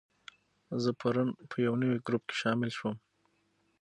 زه پرون په یو نوي ګروپ کې شامل شوم.